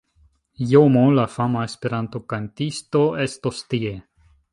JoMo la fama Esperanto-kantisto estos tie